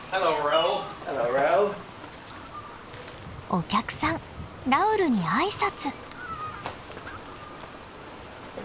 お客さんラウルに挨拶。